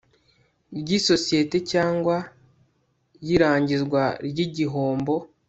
ry isosiyete cyangwa y irangizwa ry igihombo